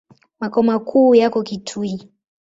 Makao makuu yako Kitui.